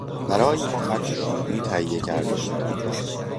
برای ما قدری شیرینی تهیه کرده بود.